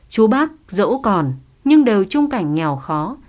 chú bác dẫu còn nhưng đều chung cảnh nghèo khó